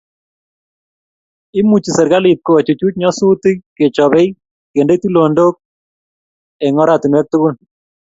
Imuchi serkalit kochuchuch nyasutik kechobei kende tulonok eng oratinwek tugul